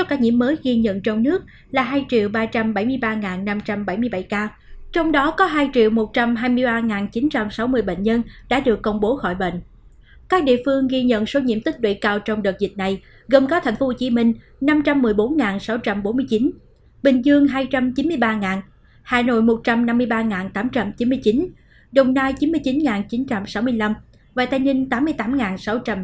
các địa phương ghi nhận số ca nhiễm giảm nhiều nhất so với ngày trước đó gồm có thành phố hồ chí minh tăng năm trăm một mươi bốn sáu trăm bốn mươi chín bình dương tăng hai trăm chín mươi ba hà nội tăng một trăm năm mươi ba tám trăm chín mươi chín đồng nai tăng chín mươi chín chín trăm sáu mươi năm và tây ninh tăng tám mươi tám sáu trăm linh sáu